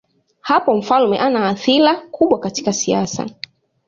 Hapo mfalme hana athira kubwa katika siasa.